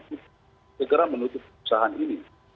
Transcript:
untuk segera menutup perusahaan ini